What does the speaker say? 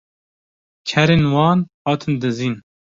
kerên wan hatin dizîn